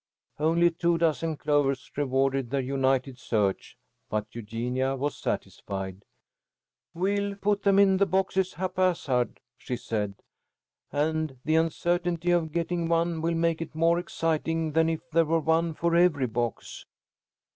Only two dozen clovers rewarded their united search, but Eugenia was satisfied. "We'll put them in the boxes haphazard," she said, "and the uncertainty of getting one will make it more exciting than if there were one for every box."